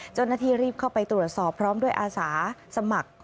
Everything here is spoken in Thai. เจ้าหน้าที่รีบเข้าไปตรวจสอบพร้อมด้วยอาสาสมัคร